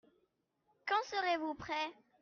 Quand serez-vous prêt ?